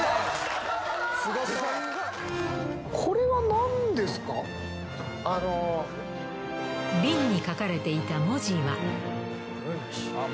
「これは何ですか？」「瓶に書かれていた文字は」